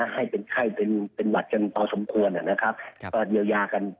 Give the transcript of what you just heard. ให้เป็นไข้เป็นหวัดกันพอสมควรนะครับก็เยียวยากัน